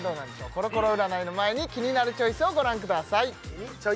コロコロ占いの前に「キニナルチョイス」をご覧ください